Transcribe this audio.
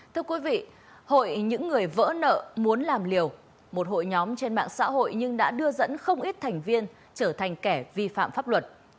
thưa quý vị hội những người vỡ nợ muốn làm liều một hội nhóm trên mạng xã hội nhưng đã đưa dẫn không ít thành viên trở thành kẻ vi phạm pháp luật